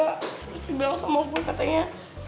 terus dia bilang sama gue katanya